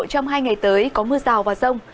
trong hai ngày tới có mưa rào và rông